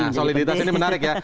nah soliditas ini menarik ya